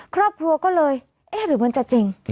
ครอบครัวก็เลยเอ๊ะหรือมันจะจริง